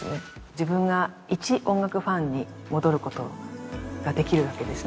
自分がいち音楽ファンに戻ることができるわけですね